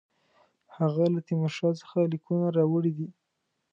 هغه له تیمورشاه څخه لیکونه راوړي دي.